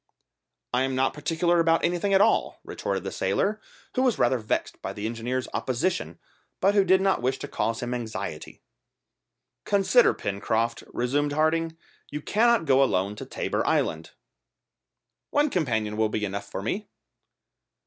"I am not particular about anything at all," retorted the sailor; who was rather vexed by the engineer's opposition, but who did not wish to cause him anxiety. "Consider, Pencroft," resumed Harding, "you cannot go alone to Tabor Island." "One companion will be enough for me."